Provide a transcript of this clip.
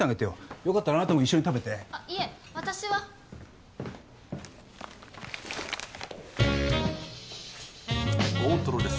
よかったらあなたも一緒に食べてあっいえ私は・大トロです